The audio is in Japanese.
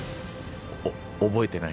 お覚えてない。